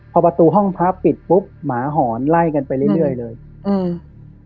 พอประตูห้องพระปิดปุ๊บหมาหอนไล่กันไปเรื่อยเรื่อยเลยอืม